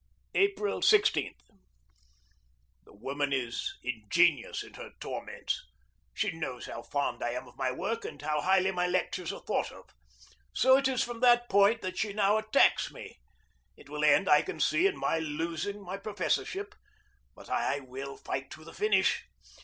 April 16. The woman is ingenious in her torments. She knows how fond I am of my work, and how highly my lectures are thought of. So it is from that point that she now attacks me. It will end, I can see, in my losing my professorship, but I will fight to the finish.